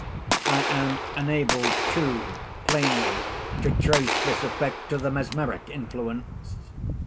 I am enabled, too, plainly to trace this effect to the mesmeric influence.